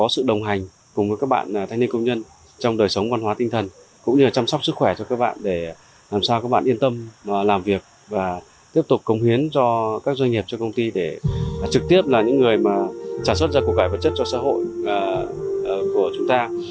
xuất ra cụ cải vật chất cho xã hội của chúng ta